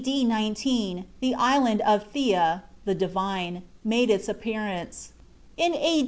D. 19 the island of "Thia" (the Divine) made its appearance. In A.